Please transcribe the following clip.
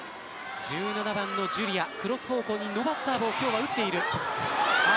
１７番のジュリアクロス方向に伸ばすサーブを今日は打っている。